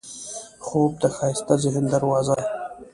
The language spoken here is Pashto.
خوب د ښایسته ذهن دروازه ده